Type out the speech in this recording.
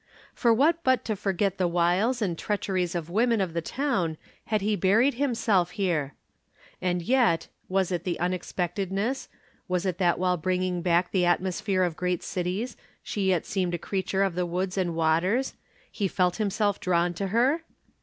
For what but to forget the wiles and treacheries of women of the town had he buried himself here? And yet was it the unexpectedness, was it that while bringing back the atmosphere of great cities she yet seemed a creature of the woods and waters, he felt himself drawn to her?